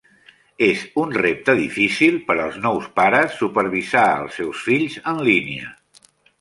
És un repte difícil per als nous pares supervisar els seus fills en línia.